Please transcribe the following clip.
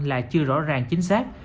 là chưa rõ ràng chính xác